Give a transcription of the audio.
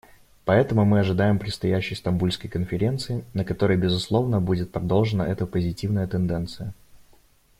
Поэтому мы ожидаем предстоящей Стамбульской конференции, на которой, безусловно, будет продолжена эта позитивная тенденция.